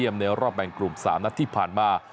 ที่ยอดเยี่ยมในรอบแปลงกลุ่ม๓ที่ผ่านมา